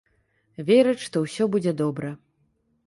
Верыць, што ўсё будзе добра.